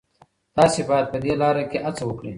تاسي باید په دې لاره کي هڅه وکړئ.